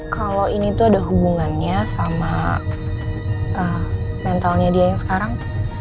kalau ini tuh ada hubungannya sama mentalnya dia yang sekarang